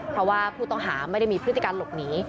เพราะว่าผู้ต้องหาไม่ได้มีพฤติการหลบหนี